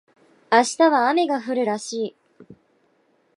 明日は雨が降るらしい